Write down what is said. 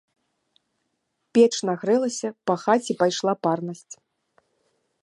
Печ нагрэлася, па хаце пайшла парнасць.